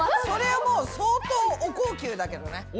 それはもう相当お高級だけどね。